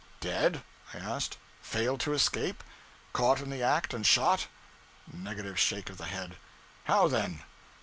'Dead?' I asked. 'Failed to escape? caught in the act and shot?' Negative shake of the head. 'How, then?'